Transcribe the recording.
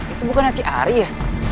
itu bukannya si ari ya